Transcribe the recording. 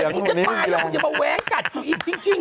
ขนาดกูจะตายแล้วอย่ามาแว้กัดกูอีกจริง